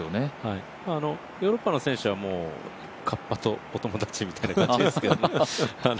ヨーロッパの選手はカッパとお友達みたいな感じですけど。